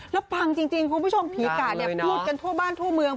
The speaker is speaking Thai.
แล้วปังจริงคุณผู้ชมผีกะเนี่ยพูดกันทั่วบ้านทั่วเมือง